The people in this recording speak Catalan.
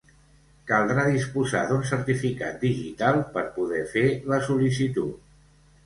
Caldrà disposar d'un certificat digital per poder fer la sol·licitud.